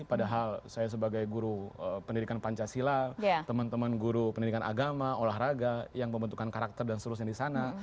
padahal saya sebagai guru pendidikan pancasila teman teman guru pendidikan agama olahraga yang pembentukan karakter dan seterusnya di sana